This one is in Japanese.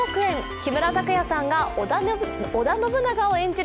木村拓哉さんが織田信長を演じる